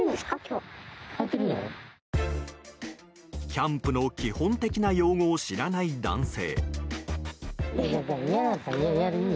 キャンプの基本的な用語を知らない男性。